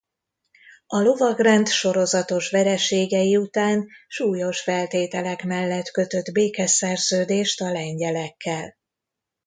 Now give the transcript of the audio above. A lovagrend sorozatos vereségei után súlyos feltételek mellett kötött békeszerződést a lengyelekkel.